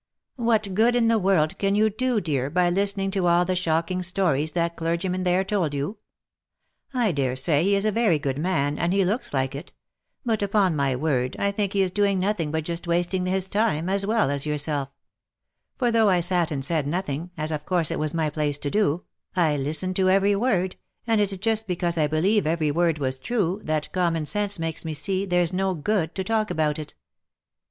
"What good in the world can you do, dear, by listening to all the shocking stories that clergyman there told you ? I dare say he is a very good man, and he looks like it, but upon my word I think he is doing nothing but just wasting his time, as well as yourself; for though I sat and said nothing, as of course it was my place to do, I listened to every word, and it is just because I believe every word was true, that common sense makes me see there's no good to talk about it.